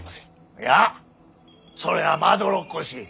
いやぁそれはまどろっこしい。